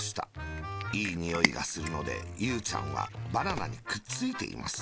いいにおいがするので、ゆうちゃんはバナナにくっついています。